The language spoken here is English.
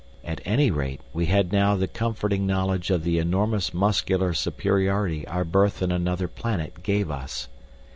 At any rate, we had now the comforting knowledge of the enormous muscular superiority our birth in another planet gave us.